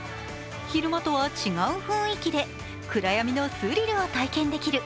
昼間とは違う雰囲気で暗闇のスリルを体験できる。